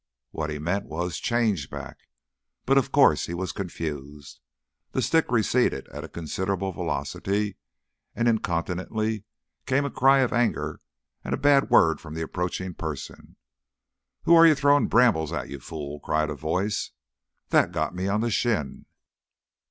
What he meant was "Change back;" but of course he was confused. The stick receded at a considerable velocity, and incontinently came a cry of anger and a bad word from the approaching person. "Who are you throwing brambles at, you fool?" cried a voice. "That got me on the shin."